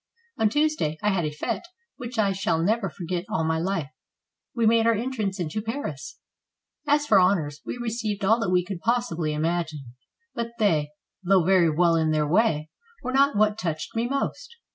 On Tuesday I had a fete which I shall never forget all my life. We made our en trance into Paris. As for honors, we received all that we could possibly imagine; but they, though very well in their way, were not what touched me most.